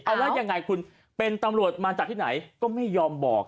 เอาแล้วยังไงคุณเป็นตำรวจมาจากที่ไหนก็ไม่ยอมบอก